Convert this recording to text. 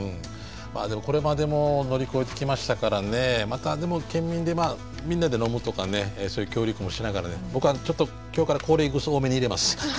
でもこれまでも乗り越えてきましたからねまたでも県民でみんなで飲むとかねそういう協力もしながら僕はちょっと今日からコーレーグス多めに入れます。